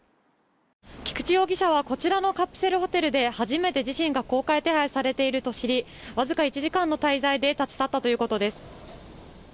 菊池容姿はこちらのカプセルホテルで初めて自らが公開手配されていると知り僅か１時間の滞在で立ち去ったということです。